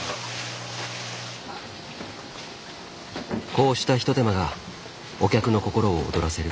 こうした一手間がお客の心を躍らせる。